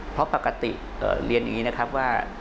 เพราะปกติเรียนอย่างนี้ว่า